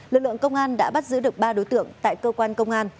lực lượng công an đã bắt giữ được ba đối tượng tại cơ quan công an